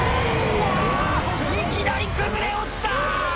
いきなり崩れ落ちた！